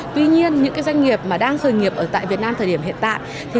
tuy nhiên những doanh nghiệp đang khởi nghiệp ở tại việt nam thời điểm hiện tại